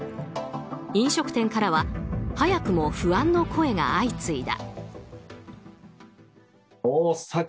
飲食店からは早くも不安の声が相次いだ。